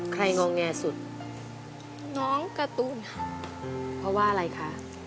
งอแงสุดน้องการ์ตูนค่ะเพราะว่าอะไรคะ